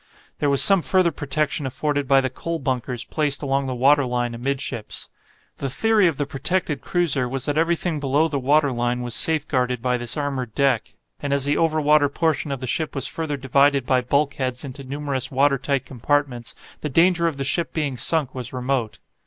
There was some further protection afforded by the coal bunkers placed along the water line amidships. The theory of the protected cruiser was that everything below the water line was safeguarded by this armoured deck, and as the over water portion of the ship was further divided by bulk heads into numerous water tight compartments, the danger of the ship being sunk was remote.